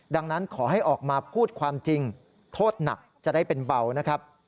ดังนั้นขอให้ออกมาพูดความจริงโทษหนักจะได้เป็นเบานะครับ